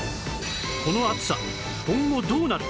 この暑さ今後どうなる！？